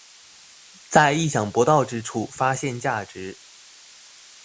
在意想不到之處發現價值